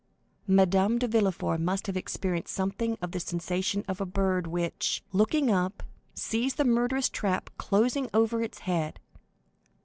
Madame de Villefort must have experienced something of the sensation of a bird which, looking up, sees the murderous trap closing over its head.